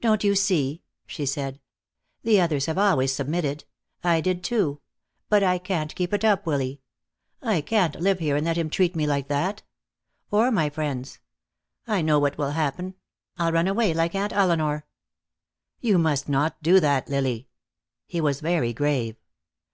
"Don't you see?" she said. "The others have always submitted. I did, too. But I can't keep it up, Willy. I can't live here and let him treat me like that. Or my friends. I know what will happen. I'll run away, like Aunt Elinor." "You must not do that, Lily." He was very grave.